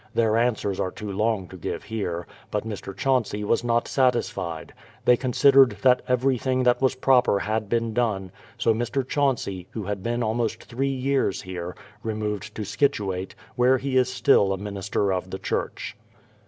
Their answers are too long to give here. But Mr. Chauncey was not satisfied. They con sidered that everything that was proper had been done, so Mr. Chauncey, who had been almost three years here, re moved to Scituate, where he is still a minister of the church.